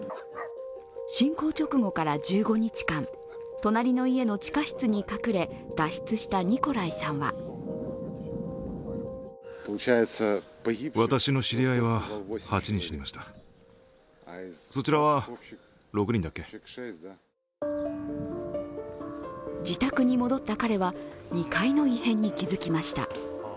侵攻直後から１５日間、隣の家の地下室に隠れ、脱出したニコライさんは自宅に戻った彼は、２階の異変に気づきました。